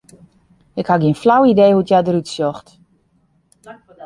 Ik ha gjin flau idee hoe't hja derút sjocht.